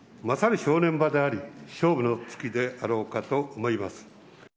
まさに正念場であり、勝負の月であろうかと思います。